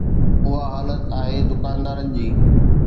اها حالت آهي دڪاندارن جي.